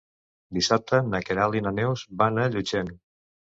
Dissabte na Queralt i na Neus van a Llutxent.